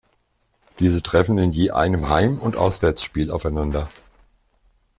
Diese treffen in je einem Heim- und Auswärtsspiel aufeinander.